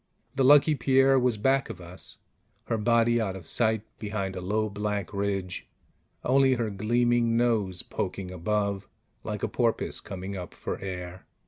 The Lucky Pierre was back of us, her body out of sight behind a low black ridge, only her gleaming nose poking above like a porpoise coming up for air.